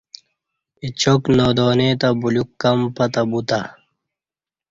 اچاک نادانی تہ بلیوک کم پتہ بوتہ